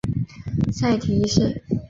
塞提一世。